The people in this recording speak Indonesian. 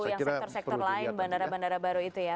yang sektor sektor lain bandara bandara baru itu ya